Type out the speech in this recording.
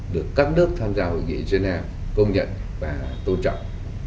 được các nước tham gia hội nghị geneva công nhận và tôn trọng